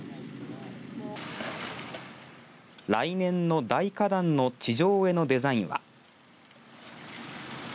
来年の大花壇の地上絵のデザインは。